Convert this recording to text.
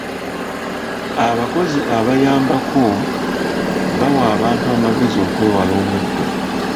Abakozi abayambako bawa abantu amagezi okwewala omuddo.